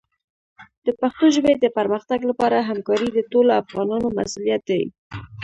د پښتو ژبې د پرمختګ لپاره همکاري د ټولو افغانانو مسؤلیت دی.